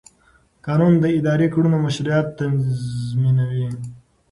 قانون د اداري کړنو مشروعیت تضمینوي.